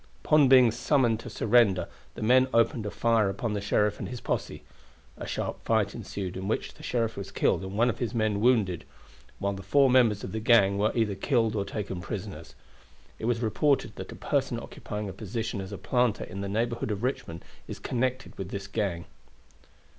Upon being summoned to surrender the men opened a fire upon the sheriff and his posse. A sharp fight ensued, in which the sheriff was killed and one of his men wounded; while the four members of the gang were either killed or taken prisoners. It was reported that a person occupying a position as a planter in the neighborhood of Richmond is connected with this gang.